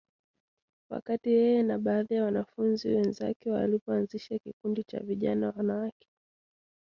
wakati yeye na baadhi ya wanafunzi wenzake walipoanzisha kikundi cha Vijana Wanawake